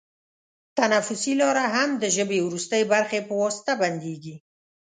تنفسي لاره هم د ژبۍ وروستۍ برخې په واسطه بندېږي.